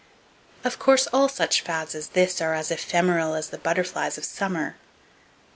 Of course, all such fads as this are as ephemeral as the butterflies of summer.